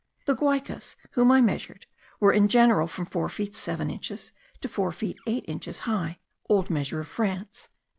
The Guaicas, whom I measured, were in general from four feet seven inches to four feet eight inches high (old measure of France).